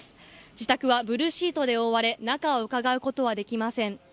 自宅はブルーシートで覆われ中をうかがうことはできません。